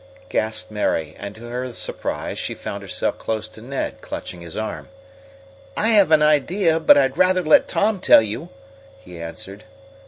gasped Mary, and, to her surprise, she found herself close to Ned, clutching his arm. "I have an idea, but I'd rather let Tom tell you," he answered.